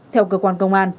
theo cơ quan công an